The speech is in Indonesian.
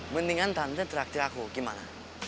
mendingan tante teraktif aku gimana